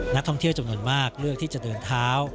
นักท่องเที่ยวจำนวนมากเลือกที่จะเดินเท้า